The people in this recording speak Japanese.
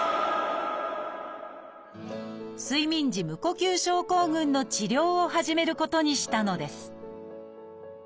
睡眠時無呼吸症候群の治療を始めることにしたのです